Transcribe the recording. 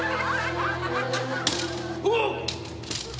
おっ。